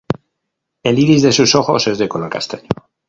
El iris de sus ojos es de color castaño.